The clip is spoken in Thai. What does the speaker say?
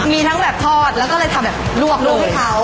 มีทั้งแบบทอดแล้วก็ทำแบบลั่วลั่วให้เขา